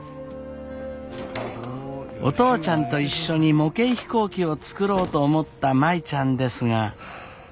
お父ちゃんと一緒に模型飛行機を作ろうと思った舞ちゃんですが。